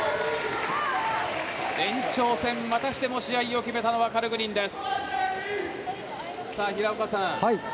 延長戦またしても試合を決めたのはカルグニンです。